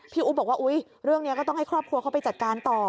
อุ๊บบอกว่าอุ๊ยเรื่องนี้ก็ต้องให้ครอบครัวเขาไปจัดการต่อ